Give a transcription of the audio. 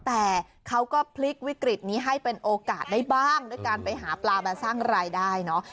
แต่เขาก็พลิกวิกฤตนี้ให้เป็นโอกาสได้บ้างด้วยการไปหาปลามาสร้างรายได้เนาะ